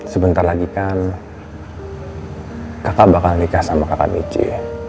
sebentar lagi kan kakak bakal nikah sama kakak michi